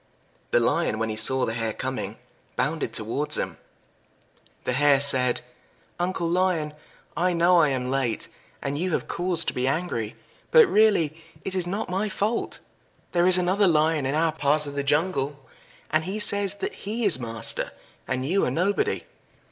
The Lion, when he saw the Hare coming, bounded towards him. The Hare said "Uncle Lion, I know I am late, and you have cause to be angry. But really it is not my fault. There is another Lion in our part of the jungle, and he says that he is master, and you are nobody.